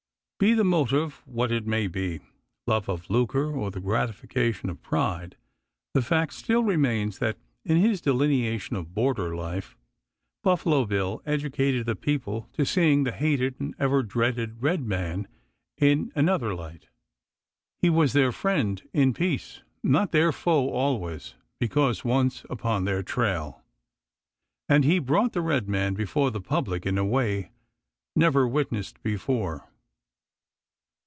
Be the motive what it may, love of lucre or the gratification of pride, the fact still remains that in his delineation of border life Buffalo Bill educated the people to seeing the hated and ever dreaded red men in another light. He was their friend in peace, not their foe always because once upon their trail; and he brought the red man before the public in a way never witnessed before.